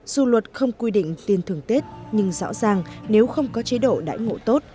dù luật không quy định tiền thưởng tết nhưng rõ ràng nếu không có chế độ đãi ngộ tốt